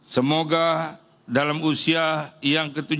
semoga dalam usia yang ke tujuh puluh